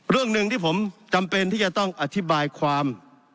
เรื่องหนึ่งที่ผมจำเป็นที่จะต้องอธิบายความ